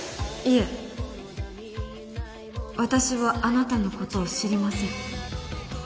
いえ私はあなたのことを知りません。